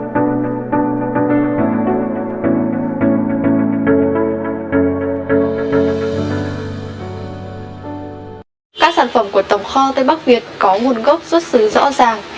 các sản phẩm của tổng kho tây bắc việt có nguồn gốc xuất xứ rõ ràng